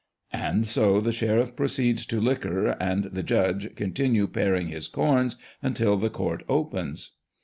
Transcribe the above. And so the sheriff proceeds to liquor, and the judge continues paring his corns until the court opens.